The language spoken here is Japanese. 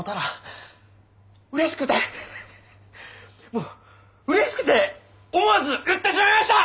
もううれしくて思わず言ってしまいました！